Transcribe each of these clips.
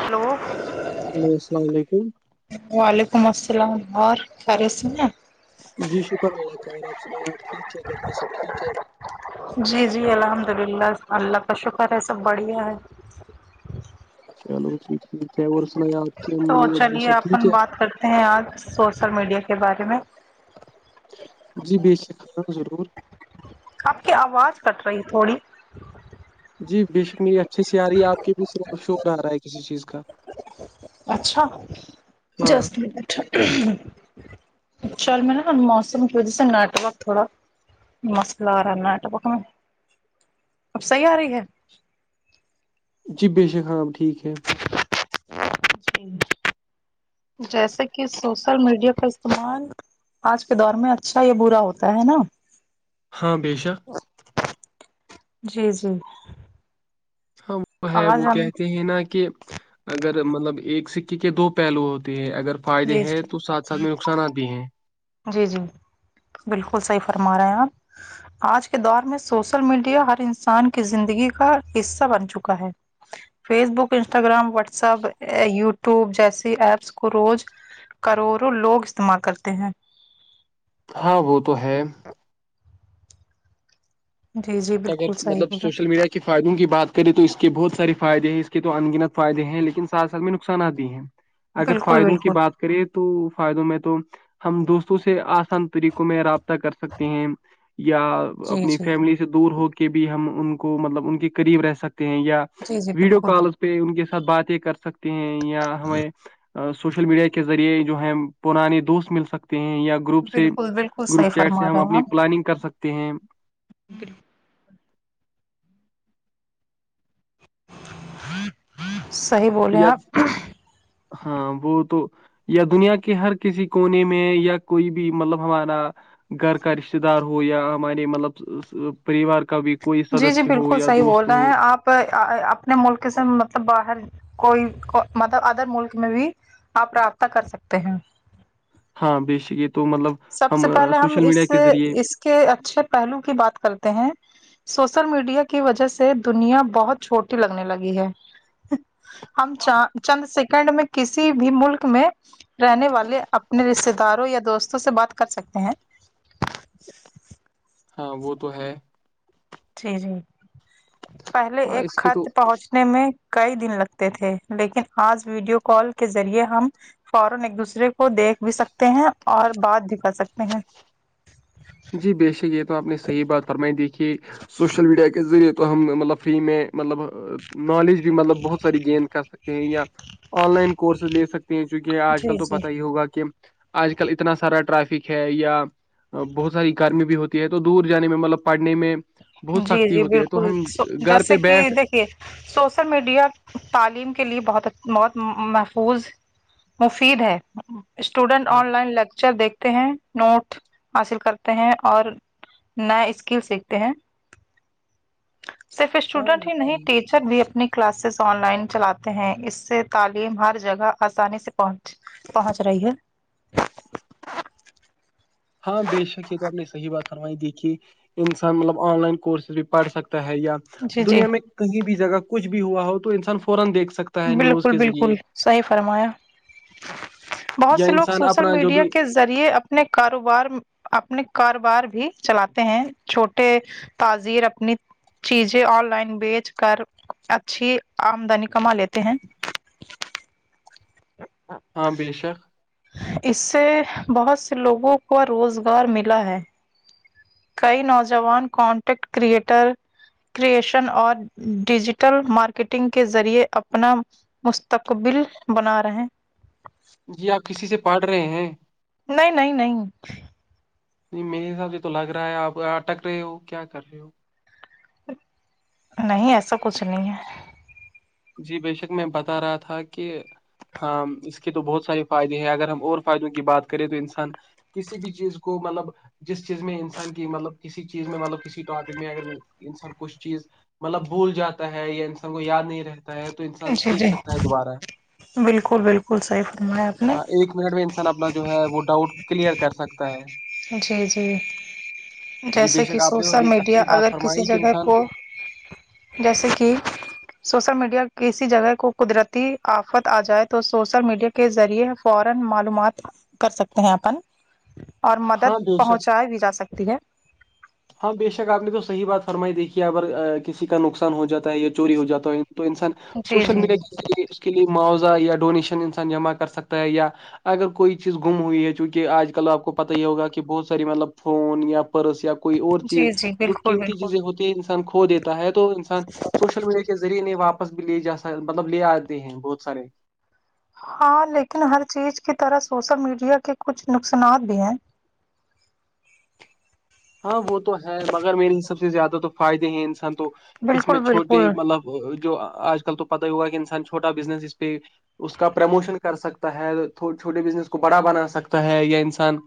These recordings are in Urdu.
ہیلو ہیلو السلام علیکم وعلیکم السلام اور خری سے ہیںا جی شکر اللہ کا اور آپ ص اللہ ٹھیک ہے گھر پہ سب ٹھیک ہے جی جی الحمد للہ اللہ کا شکر ہے سب بڑھیا ہے چلو کیا ورسنا یا تو چلیے اپن بات کرتے ہیں آج سوشل میڈیا کے بارے میں جی بے سےکانا ضرور آپ کی آواز کٹ رہی ہے تھوڑی جی بے شک می اچھی سی آ رہی ہے آپ کے بھی ص شور آ رہا ہے کسی چیز کا اچھا ہاں جس م اچھا چل میں نےا موسم کی وجہ سے نیٹورک تھوڑا مسئلہ آ رہا ہے نیٹ ورک میں اب صحیح آ رہی ہے چیف بے شک ہم ٹھیک ہے جی، [unintelligible] جیسے کہ سوشل میڈیا کا استعمال آج کے دور میں اچھا یہ برا ہوتا ہے نا ہاں بشک جی جی ہاں وہ ہے آواز وہ ہم کہتے ہیں نا کہ اگر مطلب ایک سکے کے دو پہلو ہوتے ہیں اگر فائدے جی ہیں تو ساتھ ساتھ میں نقصاناتتی ہیں جی جی بالکل صحیح فرما رہے ہیں آپ آج کے دور میں سوشل میڈیا ہر انسان کی زندگی کا حصہ بن چکا ہے Facebook Instagram WhatsApp YouTube جیسی ایپس کو روز کروڑوں لوگ استعمال کرتے ہیں ہاں وہ تو ہے جی جی اگر بالکل صحیح مطلب بولا سوشل میڈیا اس فائدوں کی بات کریں تو اس کے بہت سارے فائدے ہیں اس کے تو انگنت فائدے ہیں لیکن سال سال میں نقصانات بھی ہیں اگر بالکل فائدوں کی بالکل بات کرے تو فائدوں میں تو ہم دوستوں سے آسان طریقوں میں رابطہ کر سکتے ہیں یا جی اپنی جی فیملی سے دور ہو کے بھی ہم ان کو مطلب ان کے قریب رہ سکتے ہیں یا جی جی ویڈیو بالکل کال پہ ان کے ساتھ باتیں کر سکتے ہیں یا ہمیں سوشل میڈیا کے ذریعے جو ہے پرانے دوست مل سکتے ہیں یا گروپ سے بالکل بالکل صحیح گروپ چیٹ سے فرما ہم اپنی پلاننگ کر سکتے ہیں بکری [unintelligible] صحیح بولے یا آپ ہاں وہ تو یا دنیا کے ہر کسی کونے میں یا کوئی بھی مطلب ہمارا گھر کا رشتتے دار ہو یا ہمارے مطلب پریوار کا بھی کوئی جی جی سدسیہ ہو بالکل یا صحیح بول دوست رہے ہو ہیں آپ اپنے ملک سے مطلب باہر کوئی مطلب ادر ملک میں بھی آپ رابطہ کر سکتے ہیں ہاں بیشک یہ تو مطلب سب سے پہلے ہم سوشل اس میڈیا کے ذریعے اس کے اچھے پہلو کی بات کرتے ہیں سوسل میڈیا کی وجہ سے دنیا بہت چھوٹی لگنے لگی ہے ہم چ چند سیکنڈ میں کسی بھی ملک میں رہنے والے اپنے رشتے داروں یا دوستوں سے بات کر سکتے ہیں ہاں وہ تو ہے جی جی پہلے ہاں ایک اس کے تو خط پہنچ میں کئی دن لگتے تھے لیکن آج ویڈیو کال کے ذریعے ہم فوران ایک دوسرے کو دیکھ بھی سکتے ہیں اور بات بھی کرا سکتے ہیں جی بےشک یہ تو آپ نے صحیح بات فرمائی دیکھی ہے سوشل میڈیا کے ذریعے تو ہم مطلب فری میں مطلب نالج بھی مطلب بہت ساری گین کر سکتے ہیں یا آن لائن کورسز لے سکتے ہیں چونکہ آج جی کل تو جی پتا ہی ہوگا کہ آج کل اتنا سارا ٹرافک ہے یا بہت ساری گرمی بھی ہوتی ہے تو دور جانے میں مطلب پڑھنے میں بہت جی سختی جی ہوتی ہے بالکل تو ہم س گھر جیسے پہ کہ بیٹھ دیکھیے سوسل میڈیا تعلیم کے لیے بہت بہت محفوظ مفید ہے اسٹوڈنٹ ہاں آن لائن لیکچر دیکھتے ہیں نوٹ حاصل کرتے ہیں اور نئے اسکل سیکھتے ہیں صرف اسٹوڈنٹ ہی نہیں ہاں ٹی ٹیچر بھی اپنی کلاسز آن لائن چلاتے ہیں اس سے تعلیم ہر جگہ آسانی سے پہنچ پہنچ رہی ہے ہاں بے شک یہ تو آپ نے صحی بات فرمائی دیکھی انسان مطلب آن لائن کورسز بھی پڑھ سکتا ہے یا جی جی دنیا میں کہیں بھی جگہ کچھ بھی ہوا ہو تو انسان فورا دیکھ سکتا ہے نیوز بالکل کے بالکل ذریعے صحیح فرمایا بہت یا سے لوگ انسان سوشل اپنا جو میڈیا بھی کے ذریعے اپنے کاروبار اپنے کاروبار بھی چلاتے ہیں چھوٹے تازیر اپنی چیزیں آن لائن بیچ کر اچھی آمدنی کما لیتے ہیں آ ہاں بے شک اس سے بہت سے لوگوں کو روزگار ملا ہے کئی نوجوان کانٹینٹ کریئٹر کرشن اور ڈیجیٹل مارکیٹنگ کے ذریعے اپنا مستقبل بنا رہے جی آپ کسی سے پڑ رہے ہیں نہیں نہیں نہیں نہیں میرے حساب سے تو لگ رہا ہے آپ اٹک رہے ہو کیا کر رہے ہو نہیں ایسا کچھ نہیں ہے جی بے شک میں بتا رہا تھا کہ ہاں اس کے تو بہت سارے فائدے ہیں اگر ہم اور فائدوں کی بات کریں تو انسان کسی بھی چیز کو مطلب جس چیز میں انسان کی مطلب کسی چیز میں مطلب کسی ٹاپک میں اگر انسان کچھ چیز مطلب بھول جاتا ہے یا انسان کو یاد نہیں رہتا ہے تو انسان جی سیکھ جی سکتا ہے دوبارہ بالکل بالکل صحیح فرمایا آپ نے ہاں ایک منٹ میں انسان اپنا جو ہے وہ ڈاؤٹ کلیئر کر سکتا ہے جی جی [unintelligible] جی بے جیسے کہ شک آپ نے سوشل بھی میڈیا اچھی بات اگر کسی فرمائی کہ جگہ انسان کو [unintelligible] جیسے کہ [unintelligible] سوسل میڈیا کسی جگہ کو قدرتی آفت آ جائے تو سوشل میڈیا کے [unintelligible] اور مدد ہاں بے شک پہنچائی بھی جا سکتی ہے ہاں بے شک آپ نے تو صحی بات فرمائی دیکھی ہے اگر کسی کا نقصان ہو جاتا ہے یا چوری ہو جاتا ہے تو انسان جی سوشل جی میڈیا جی کے ذریعے اس کے لیے معاوضہ یا ڈونیشن انسان جمع کر سکتا ہے یا اگر کوئی چیز گم ہوئی ہے چونکہ آج کل آپ کو پت ہی ہوگا کہ بہت ساری مطلب فون یا پرس یا کوئی اور چیز جی جی جو بالکل قیمتی بالکل چیزیں ہوتی ہیں انسان کھو دیتا ہے تو انسان سوشل میڈیا کے کے ذریعے نہیں واپس بھی لے جا مطلب لے آتے ہیں بہت سارے ہاں لیکن ہر چیز کی طرح سوشل میڈیا کے کچھ نقصانات بھی ہیں ہاں وہ تو ہے مگر میرے ح سب سے زیادہ تو فائدے ہی انسان تو اس میں بالکل چھوٹے بالکل مطلب جو آج کل تو پتاہ ہی ہوا کہ انسان چھوٹا بزنس اس پہ اس کا پرموشن کر سکتا ہے چھوٹے بزنس کو بڑا بنا سکتا ہے یا انسان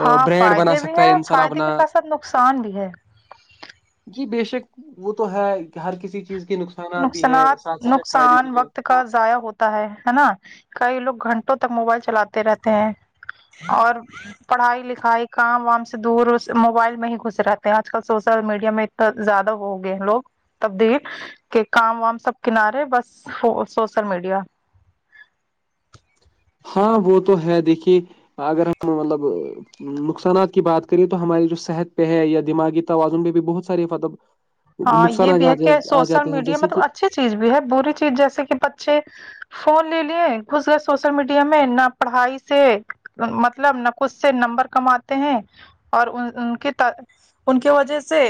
ہاں برانڈ بنا فائدے بھی سکتا ہیں ہے انسان فائدے اپنا کے ساتھ ساتھ نقصان بھی ہے جی بےشک وہ تو ہے ہر کسی چیز کے نقصانات بھی ہے ساتھ ساتھ فائدے بھی نقصان ہیں وقت کا ضائع ہوتا ہے ہے نا کئی لوگ گھنٹوں تک موبائل چلاتے رہتے ہیں اور [unintelligible] پڑھائی لکھائی کام وام سے دور موبائل میں ہی گھس رہے ہیں آج کل سوشل میڈیا میں زیادہ ہو گئے ہیں لوگ تبد کے کام وام سب کنارے بس سوسل میڈیا ہاں وہ تو ہے دیکھیے اگر ہم مطلب نقصانات کی بات کریے تو ہماری جو صحت پہ ہے یا دماغی توازن پہ بھی بہت ساراریتب [inaudible] ہاں یہ بھی ہے کہ سوشل میڈیا مطلب کہ اچھی چیز بھی ہے بری چیز جیسے کہ بچے فون لے لیے گھس گئے سوشل میڈیا میں نہ پڑھائی سے مطلب نقود سے نمبر کماتے ہیں اور ان کی ان کی وجہ سے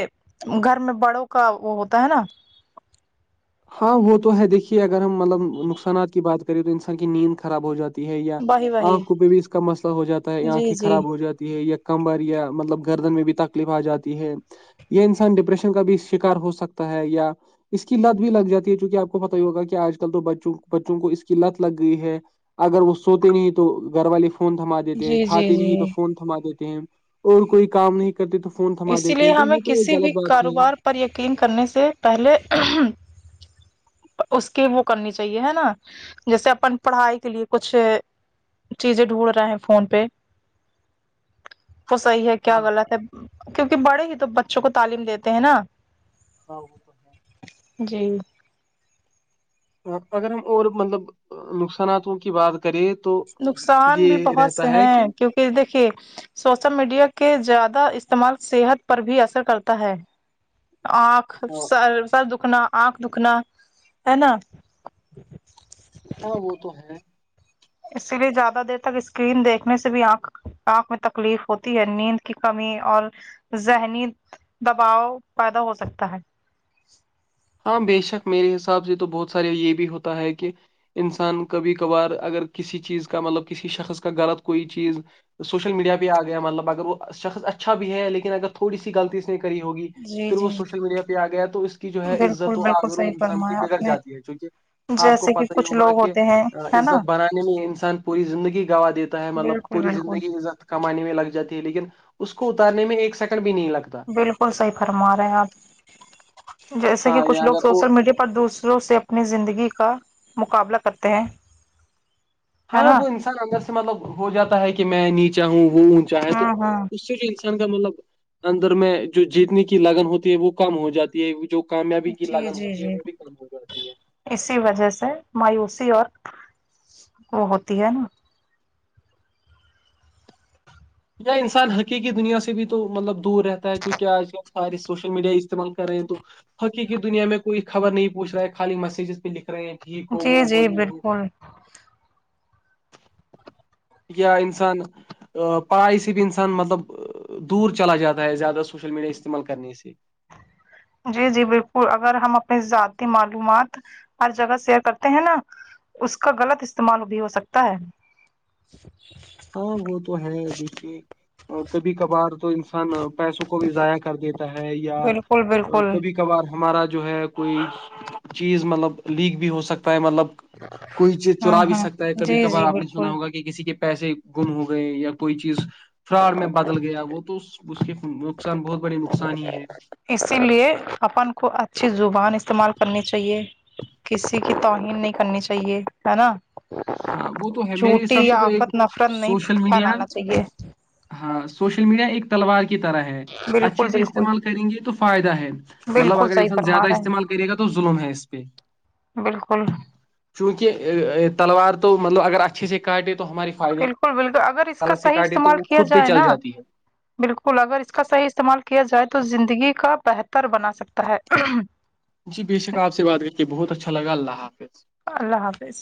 گھر میں بڑوں کا وہ ہوتا ہے نا ہاں وہ تو ہے دیکھیے اگر ہم مطلب نقصانات کی بات کریں تو انسان کی نیند خراب ہو جاتی ہے یا وہی وہی آنکھوں پہ بھی اس کا مسئلہ ہو جاتا ہے جی آنکھیں جی خراب ہو جاتی ہے یا کمبر یا مطلب گردن میں بھی تکلیف آ جاتی ہے یہ انسان ڈپریشن کا بھی شکار ہو سکتا ہے یا اس کی لد بھی لگ جاتی ہے چونکہ آپ کو پت ہی ہوگا کہ آج کل تو بچوں بچوں کو اس کی لت لگ گئی ہے اگر وہ سوتے نہیں تو گھر والے فون تھما دیتے ہیں جی جی کھاتے جی نہیں تو فون تھما دیتے ہیں اور کوئی کام نہیں کرتے تو فون تھما اسی دیتے لیے ہیں تو ہمیں یہ تو ایک کسی بھی غلط بات ہی ہے کاروبار پر یقین کرنے سے پہلے اس کی وہ کرنی چاہیے ہے نا جیسے اپن پڑھائی کے لیے کچھ چیزیں ڈھونڈ رہا ہیں فون پہ وہ صحیح ہے کہ کیا ہاں غلط ہے کیونکہ بڑے ہی تو بچوں کو تعلیم دیتے ہیں نا ہ [unintelligible] جی اگر ہم اور مطلب نقصاناتوں کی بات کریں تو نقصان بھی یہ بہت رہتا سے ہے کہ ہیں کیونکہ دیکھیے سوشل میڈیا کے زیادہ استعمال صحت پر بھی اثر کرتا ہے آنکھ ہاں سر سر دکھنا آنکھ دکھنا ہے نا ہاں وہ تو ہے اسی لیے زیادہ دیر تک اسکرین دیکھنے سے بھی آنکھ آنکھ میں تکلیف ہوتی ہے نیند کی کمی اور ذہنی دباؤ پیدا ہو سکتا ہے ہاں بےشک میرے حساب سے تو بہت سارے یہ بھی ہوتا ہے کہ انسان کبھی کبھار اگر کسی چیز کا مطلب کسی شخص کا غلط کوئی چیز سوشل میڈیا پہ آ گیا مطلب اگر وہ شخص اچھا بھی ہے لیکن اگر تھوڑی سی غلطی سے کری ہوگی جی پھر جی وہ سوشل میڈیا پہ آ گیا تو اس کی جو جو ہے بالکل عزت و بالکل عام صحیح انسان کی فرمایا بگڑ آپ نے جاتی ہے کیکہ آپ کو جیسے کہ پت ہی کچھ ہوگا لوگ کہ ہوتے ہیں ہے نا عزت بنانے میں یہ انسان پوری زندگی گوا دیتا ہے مطلب بالکل پوری بالکل زندگی عزت کمانے میں لگ جاتی ہے لیکن اس کو اتارنے میں ایک سیکنڈ بھی نہیں لگتا بالکل صحیح فرما رہے آپ جیسے ہاں کہ کچھ یا لوگ اگر سوشل میڈیا پر دوسروں سے اپنی زندگی کا مقابلہ کرتے ہیں ہے ہاں نا وہ انسان اندر سے مطلب ہو جاتا ہے کہ میں نیچاہ ہوں وہ ہوں چاہیں تو ہاں ہاں اس سے جوان کا مطلب اندر میں جو جیتنے کی لگن ہوتی ہے وہ کم ہو جاتی ہے جو کامیابی کی جی لگن جی ہوتی ہے جی وہ بھی کم ہو جاتی ہے اسی وجہ سے مایوسی اور وہ ہوتی ہے نا یا انسان حقیقی دنیا سے بھی تو مطلب دور رہتا ہے چونکہ آج کل سارے سوشل میڈیا استعمال کر رہے ہیں تو ہاکی کی دنیا میں کوئی خبر نہیں پوچ رہا ہے خالی میسجز پہ لکھ رہے ہیں ٹھیک ہو جی وہ ہو جی یہ ہو بالکل انسان آ [unintelligible] پڑھائی سے بھی انسان مطلب دور چلا جاتا ہے زیادہ سوشل میڈیا استعمال کرنے سے جی جی بالکل اگر ہم اپنی ذاتی معلومات ہر جگہ شیئر کرتے ہیں نا اس کا غلط استعمال بھی ہو سکتا ہے ہاں وہ تو ہے دیکھیے اور کبھی کبھار تو انسان پیسوں کو بھی ضائع کر دیتا ہے یا بالکل بالکل کو بھی کبار ہمارا جو ہے کوئی چیز مطلب لیک بھی ہو سکتا ہے مطلب کوئی چیز چرا ہوں بھی ہوں سکتا ہے کبھی جی کبھار جی آپ نے بالکل سنا ہوگا کہ کسی کے پیسے گم ہو گئے یا کوئی چیز فراڑ میں بدل گیا وہ تو اس کے نقصان بہت بڑے نقصان ہی ہے اسی لیے اپن کو اچھی زبان استعمال کرنی چاہیے کسی کی توہین نہیں کرنی چاہیے ہے نا ہاں وہ تو ہے میرے جھوٹی حساب یا سے تو ایک آفت نفرت نہیں سوشل میڈیا پھیلانا چاہیے ہاں سوشل میڈیا ایک تلوار کی طرح ہے بالکل اچھے سے بالکل استعمال کریں گے تو فائدہ ہے مطلب بالکل اگر صحیح انسان فرما زیادہ رہے استعمال ہیں کرے گا تو ظلم ہے اس پہ بالکل [unintelligible] چونکہ تلوار تو مطلب اگر اچھے سے کاٹے تو ہماریے بالکل بالکل اگر اس کا صحیح استعمال وہ کیا خود پہ جائے چل نا جاتی ہے بالکل اگر اس کا صحیح استعمال کیا جائے تو زندگی کا بہتر بنا سکتا ہے جی بے شک آپ سے بات کر کے بہت اچھا لگا اللہ حافظ اللہ حافظ